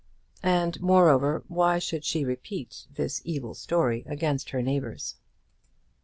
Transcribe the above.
And, moreover, why should she repeat this evil story against her neighbours?